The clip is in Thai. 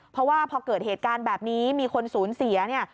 เพราะว่าพอเกิดเหตุการณ์แบบนี้มีคนสูญเสียเนี่ย